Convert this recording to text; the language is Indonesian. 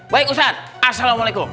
baik ustadz assalamualaikum